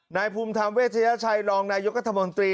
นายภูมิธรรมเวชยชัยรองนายกัธมนตรี